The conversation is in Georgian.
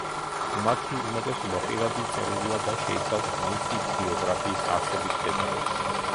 მათი უმეტესობა პირადი წერილია და შეიცავს მისი ბიოგრაფიის არსებით დეტალებს.